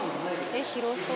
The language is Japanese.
えっ広そう。